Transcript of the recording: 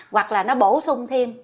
hoặc là nó bổ sung thêm